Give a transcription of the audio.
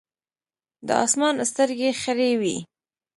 د اسمان سترګې خړې وې ـ